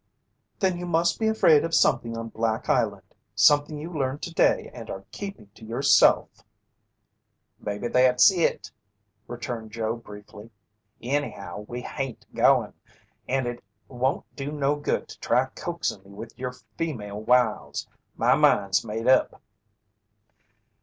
"Then you must be afraid of something on Black Island something you learned today and are keeping to yourself!" "Maybe that's it," returned Joe briefly. "Anyhow, we hain't goin'. And it won't do no good to try coaxin' me with yer female wiles. My mind's made up!"